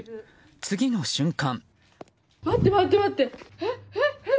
次の瞬間。